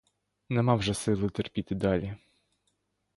Нема вже сили терпіти далі.